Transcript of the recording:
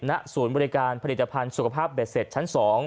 ณศูนย์บริการผลิตภัณฑ์สุขภาพเบ็ดเสร็จชั้น๒